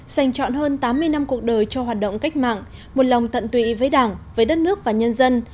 dành chọn hơn tám mươi năm cuộc đời cho hoạt động cách mạng một lòng tận tụy với đảng với đất nước và nhân dân